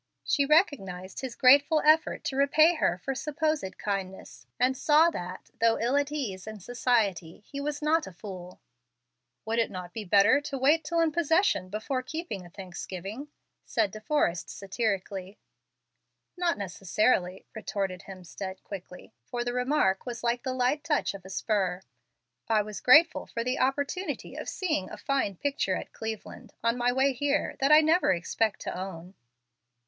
She recognized his grateful effort to repay her for supposed kindness, and saw that, though ill at ease in society, he was not a fool. "Would it not be better to wait till in possession before keeping a Thanksgiving?" said De Forrest, satirically. "Not necessarily," retorted Hemstead, quickly, for the remark was like the light touch of a spur. "I was grateful for the opportunity of seeing a fine picture at Cleveland, on my way here, that I never expect to own."